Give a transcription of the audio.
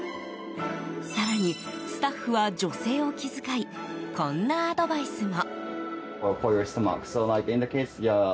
更に、スタッフは女性を気遣いこんなアドバイスも。